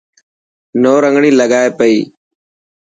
نورنگڻي لگائي پئي.